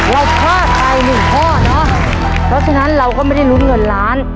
ยกฆ่าใครหนึ่งข้อเนอะแล้วฉะนั้นเราก็ไม่ได้รุ้นเงินล้าน